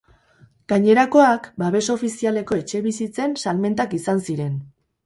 Gainerakoak, babes ofizialeko etxebizitzen salmentak izan ziren.